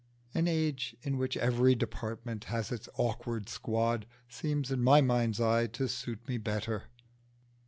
An age in which every department has its awkward squad seems in my mind's eye to suit me better.